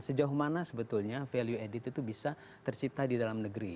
sejauh mana sebetulnya value added itu bisa tercipta di dalam negeri